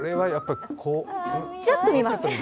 ちらっと見ます。